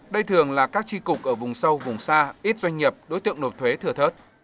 đây thường là các tri cục ở vùng sâu vùng xa ít doanh nghiệp đối tượng nộp thuế thừa thớt